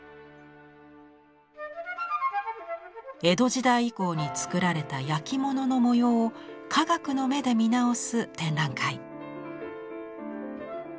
江戸時代以降に作られたやきものの模様を科学の目で見直す展覧会。